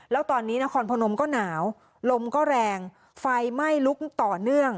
แล้วตอนนี้นครพนมก็หนาวลมก็แรงไฟไหม้ลุกต่อเนื่อง